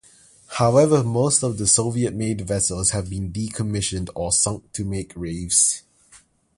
However, most of the Soviet-made vessels have been decommissioned or sunk to make reefs.